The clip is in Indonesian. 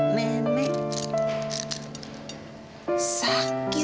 nggak ada yang ngurusin lagi